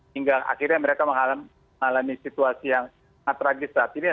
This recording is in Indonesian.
hingga akhirnya mereka mengalami situasi yang atragis saat ini